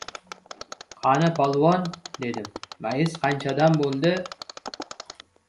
— Qani, polvon, — dedim, — mayiz qanchadan bo‘ldi?